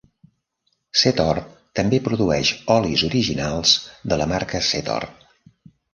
Zetor també produeix olis originals de la marca Zetor.